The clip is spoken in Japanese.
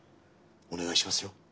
お願いしますよ。